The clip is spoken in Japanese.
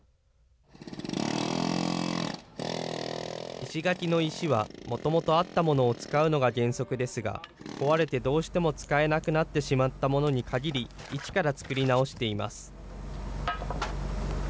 石垣の石はもともとあったものを使うのが原則ですが、壊れてどうしても使えなくなってしまったものに限り、一から作り直しています。